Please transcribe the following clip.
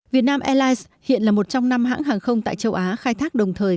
việt nam airlines hiện là một trong năm hãng hàng không tại châu á khai thác đồng thời